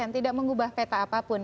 tidak mengubah peta apapun